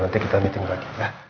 nanti kita meeting lagi